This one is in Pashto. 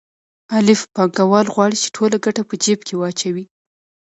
الف پانګوال غواړي چې ټوله ګټه په جېب کې واچوي